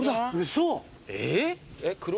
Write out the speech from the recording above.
嘘！